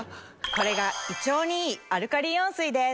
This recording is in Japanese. これが胃腸にいいアルカリイオン水です。